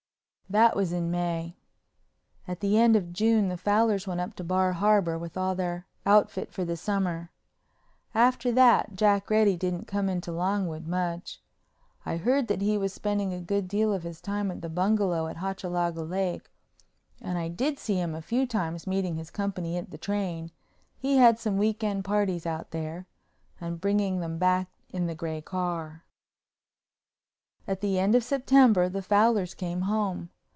That was in May. At the end of June the Fowlers went to Bar Harbor with all their outfit for the summer. After that Jack Reddy didn't come into Longwood much. I heard that he was spending a good deal of his time at the bungalow at Hochalaga Lake, and I did see him a few times meeting his company at the train—he had some week end parties out there—and bringing them back in the gray car. At the end of September the Fowlers came home.